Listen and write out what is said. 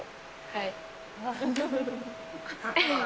はい。